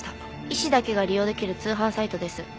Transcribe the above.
医師だけが利用出来る通販サイトです。